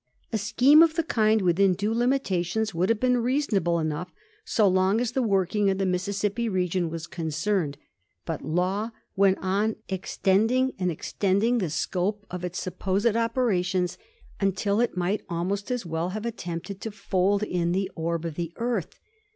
A scheme of the kind within due limitations would have been reasonable enough, so far as the working of the Mississippi region was concerned ; but Law went on extending and extending the scope of its supposed operations, untQ it might almost as well have at tempted to fold in the orb of the earth.